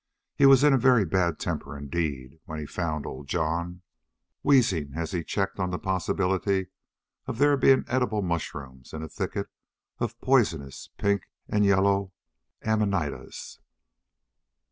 He was in a very bad temper indeed when he found old Jon, wheezing as he checked on the possibility of there being edible mushrooms in a thicket of poisonous, pink and yellow amanitas.